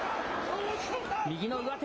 右の上手。